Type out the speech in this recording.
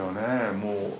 もう。